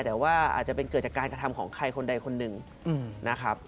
แต่ว่าอาจจะเป็นเกิดจากการกระทำของใครคนใดคนหนึ่งนะครับ